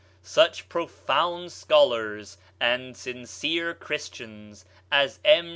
Such profound scholars and sincere Christians as M.